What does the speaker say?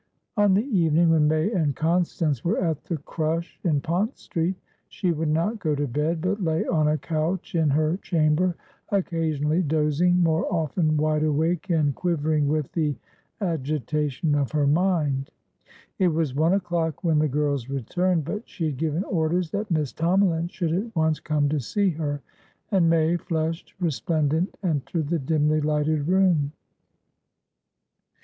On the evening when May and Constance were at the crush in Pont Street, she would not go to bed, but lay on a couch in her chamber, occasionally dozing, more often wide awake and quivering with the agitation of her mind. It was one o'clock when the girls returned, but she had given orders that Miss Tomalin should at once come to see her, and May, flushed, resplendent, entered the dimly lighted room.